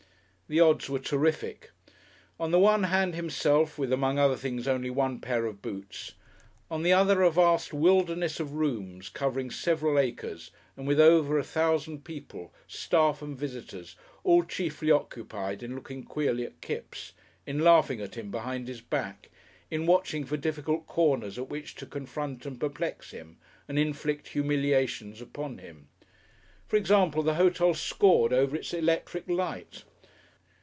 The odds were terrific. On the one hand himself with, among other things, only one pair of boots; on the other a vast wilderness of rooms, covering several acres, and with over a thousand people, staff and visitors, all chiefly occupied in looking queerly at Kipps, in laughing at him behind his back, in watching for difficult corners at which to confront and perplex him, and inflict humiliations upon him. For example, the hotel scored over its electric light.